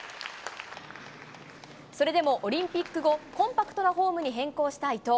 それでもオリンピック後、コンパクトなフォームに変更した伊藤。